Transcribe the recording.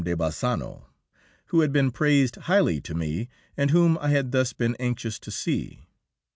de Bassano, who had been praised highly to me, and whom I had thus been anxious to see.